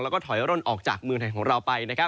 แล้วก็ถอยร่นออกจากเมืองไทยของเราไป